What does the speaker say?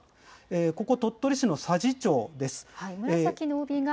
ここ、鳥取市の佐治町です。